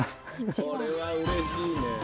これはうれしいね。